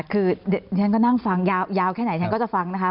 คือฉันก็นั่งฟังยาวแค่ไหนฉันก็จะฟังนะคะ